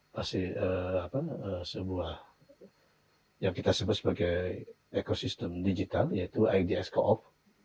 pasti apa sebuah yang kita sebut sebagai ekosistem digital yaitu ids co op